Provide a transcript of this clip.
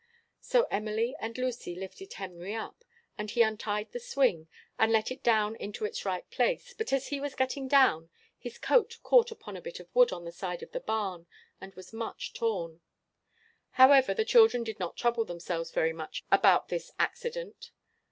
So Emily and Lucy lifted Henry up, and he untied the swing, and let it down into its right place; but as he was getting down, his coat caught upon a bit of wood on the side of the barn, and was much torn. However, the children did not trouble themselves very much about this accident.